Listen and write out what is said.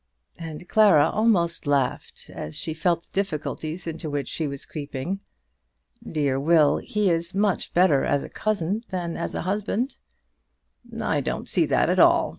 And Clara almost laughed as she felt the difficulties into which she was creeping. "Dear Will. He is much better as a cousin than as a husband." "I don't see that at all.